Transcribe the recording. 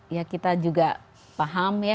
ya kita juga paham ya